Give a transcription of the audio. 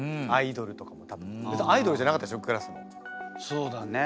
そうだね。